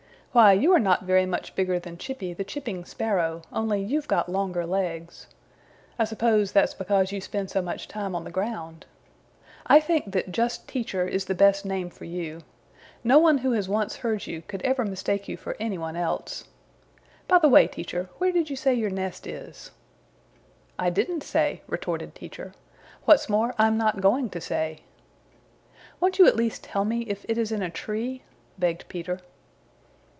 Why, you are not very much bigger than Chippy the Chipping Sparrow, only you've got longer legs. I suppose that's because you spend so much time on the ground. I think that just Teacher is the best name for you. No one who has once heard you could ever mistake you for any one else. By the way, Teacher, where did you say your nest is?" "I didn't say," retorted Teacher. "What's more, I'm not going to say." "Won't you at least tell me if it is in a tree?" begged Peter.